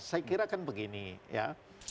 saya kira kan begini ya